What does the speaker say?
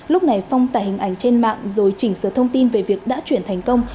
lúc này phong tải hình ảnh trên mạng rồi chỉnh sửa thông tin về việc đã chuyển thành công